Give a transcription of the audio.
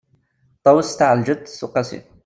ṭawes taεelǧeţ uqasi